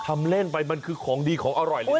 ทำเล่นไปมันคือของดีของอร่อยเลยนะ